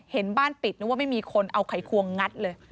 เห็นบ้านปิดนึกว่าไม่มีคนเอาไขควงงัดเลย